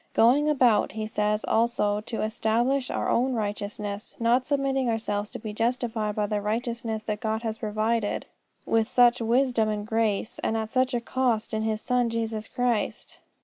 "Going about," he says also, "to establish our own righteousness, not submitting ourselves to be justified by the righteousness that God has provided with such wisdom and grace, and at such a cost in His Son Jesus Christ."